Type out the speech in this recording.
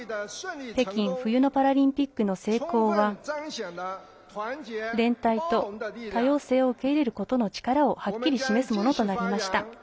北京冬のパラリンピックの成功は連帯と多様性を受け入れることの力をはっきり示すものとなりました。